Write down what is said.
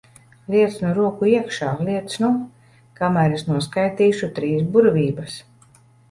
Liec nu roku iekšā, liec nu! Kamēr es noskaitīšu trīs burvības.